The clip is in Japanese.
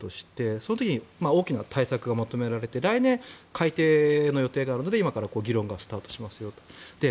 その時に大きな対策がまとめられて来年、改定の予定があるので今から議論がスタートしますよと。